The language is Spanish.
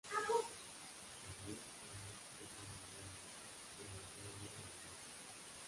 Ahmed Rami fue condenado a muerte, pero logró huir de Marruecos.